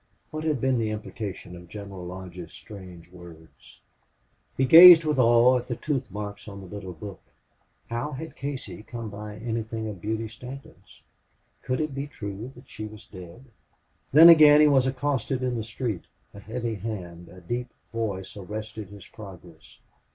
What had been the implication in General Lodge's strange words? He gazed with awe at the tooth marks on the little book. How had Casey come by anything of Beauty Stanton's? Could it be true that she was dead? Then again he was accosted in the street. A heavy hand, a deep voice arrested his progress.